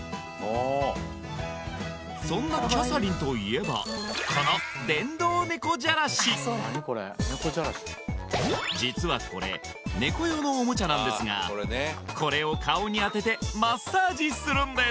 そんなキャサリンといえばこの実はこれ猫用のおもちゃなんですがこれを顔に当ててマッサージするんです